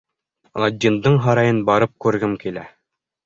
Аладдиндың һарайын барып күргем килә.